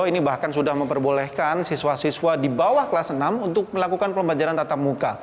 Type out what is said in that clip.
ini bahkan sudah memperbolehkan siswa siswa di bawah kelas enam untuk melakukan pembelajaran tatap muka